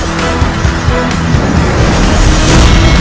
jangan lupa subscribe